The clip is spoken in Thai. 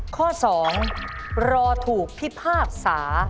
ข้อ๒รอถูกพิพากษา